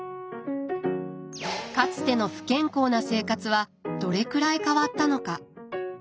かつての不健康な生活はどれくらい変わったのか。